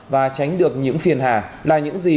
và tránh được những phiền hà là những gì